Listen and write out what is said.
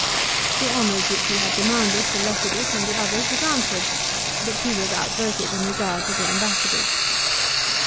The honours which he had demanded for Lepidus and the others were granted, but he was outvoted in regard to the ambassadors.